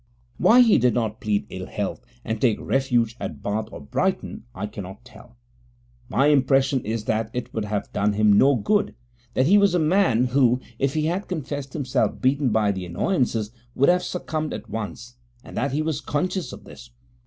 Why he did not plead ill health and take refuge at Bath or Brighton I cannot tell; my impression is that it would have done him no good; that he was a man who, if he had confessed himself beaten by the annoyances, would have succumbed at once, and that he was conscious of this.